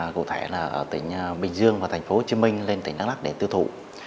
cụ thể là ở tỉnh bình dương và thành phố hồ chí minh lên tỉnh đắk lắc để tư thụ